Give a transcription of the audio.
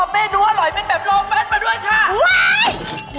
พ่อเม่ดูอร่อยเป็นแบบโลแฟนต์มาด้วยค่ะ